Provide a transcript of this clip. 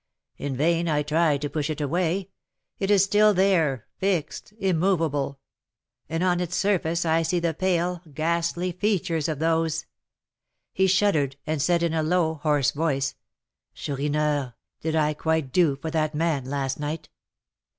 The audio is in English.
In vain I try to push it away; it is still there, fixed, immovable; and on its surface I see the pale, ghastly features of those " He shuddered, and said in a low, hoarse voice, "Chourineur, did I quite do for that man last night?"